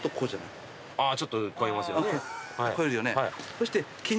そして。